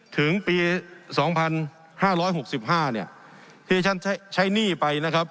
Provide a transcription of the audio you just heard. ถึงปีสองพันห้าร้อยหกสิบห้าเนี้ยที่ฉันใช้หนี้ไปนะครับ